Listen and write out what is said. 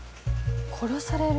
殺される？